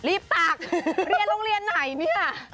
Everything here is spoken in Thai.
รีบอาบเรียนโรงเรียนไหนเนี่ย